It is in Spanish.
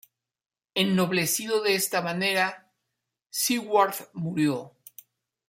Ennoblecido de esta manera, Siward murió.